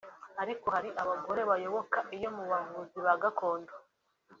ariko hari abagore bayoboka iyo mu bavuzi ba gakondo